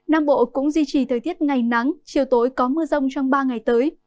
nam bộ cũng duy trì thời tiết ngày nắng chiều tối có mưa rông trong ba ngày tới